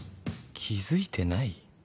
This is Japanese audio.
気付いてない？